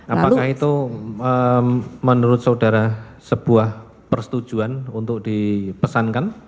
apakah itu menurut saudara sebuah persetujuan untuk dipesankan